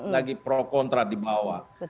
lagi pro kontra dibawa